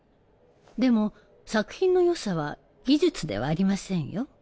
でも作品のよさは技術ではありませんよ。